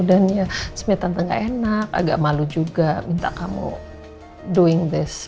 dan ya sebenarnya tante gak enak agak malu juga minta kamu doing this